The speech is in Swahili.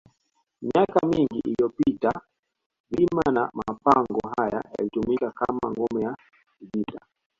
Miaka mingi iliyopita vilima na mapango haya yalitumika kama ngome ya vita